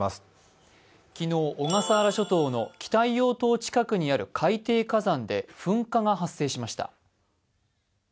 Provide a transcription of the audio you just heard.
昨日、小笠原諸島の北硫黄島の近くにある海底火山で噴火が発生しました。